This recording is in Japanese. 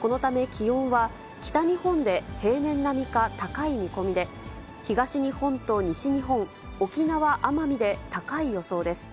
このため、気温は北日本で平年並みか高い見込みで、東日本と西日本、沖縄・奄美で高い予想です。